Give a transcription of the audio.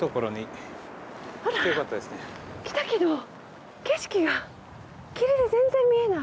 来たけど景色が霧で全然見えない。